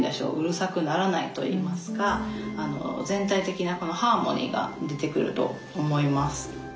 うるさくならないといいますか全体的なハーモニーが出てくると思います。